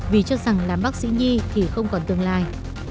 vì cho rằng làm bác sĩ nhi thì không còn tương lai